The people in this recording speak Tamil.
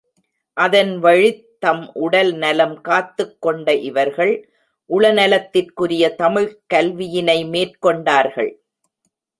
அதன்வழித் தம் உடல் நலம் காத்துக் கொண்ட இவர்கள் உளநலத்திற்குரிய தமிழ்க் கல்வியினை மேற்கொண்டார்கள்.